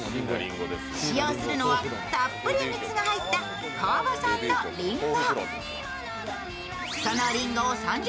使用するのはたっぷり蜜の入った川場産のりんご。